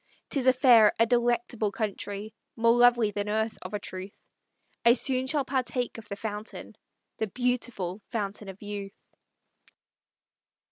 'Tis a fair, a delectable country. More lovely than earth, of a truth; I soon shall partake of the fountain, The beautiful Fountain of Youth!"